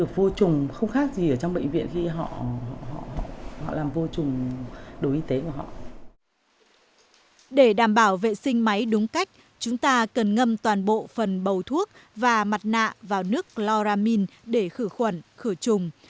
vào vệ sinh máy đúng cách chúng ta cần ngâm toàn bộ phần bầu thuốc và mặt nạ vào nước chloramine để khử khuẩn khử trùng